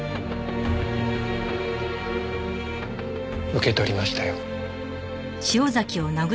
受け取りましたよ。